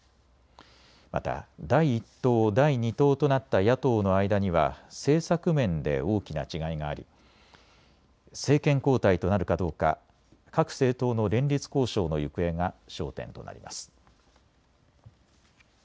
また第１党、第２党となった野党の間には政策面で大きな違いがあり政権交代となるかどうか各政党の連立交渉の行方が焦点となります。